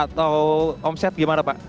lata rame gak atau omset gimana pak